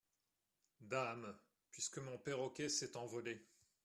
Dame ! puisque mon perroquet s’est envolé.